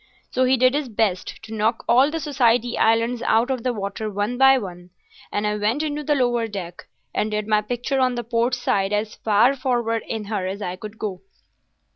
So he did his best to knock all the Society Islands out of the water one by one, and I went into the lower deck, and did my picture on the port side as far forward in her as I could go.